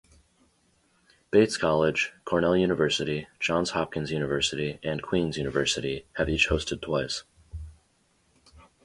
Bates College, Cornell University, Johns Hopkins University, and Queen's University have each hosted twice.